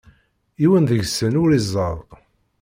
Yiwen deg-sen ur izad.